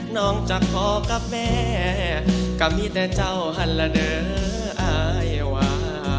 น้องจากพ่อกับแม่ก็มีแต่เจ้าฮันละเด้อไอ้ว่า